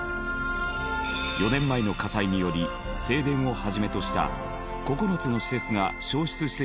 ４年前の火災により正殿を始めとした９つの施設が焼失してしまいましたが。